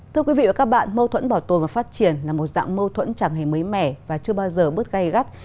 thưa quý vị và các bạn mâu thuẫn bảo tồn và phát triển là một dạng mâu thuẫn chẳng hề mới mẻ và chưa bao giờ bớt gai gắt